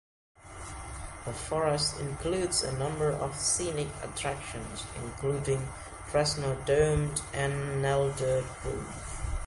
The forest includes a number of scenic attractions, including Fresno Dome and Nelder Grove.